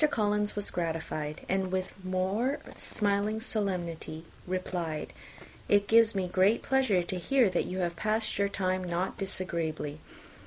Collins was gratified; and with a more smiling solemnity replied, "It gives me the greatest pleasure to hear that you have passed your time not disagreeably.